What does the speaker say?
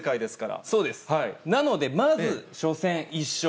なので、まず初戦、１勝。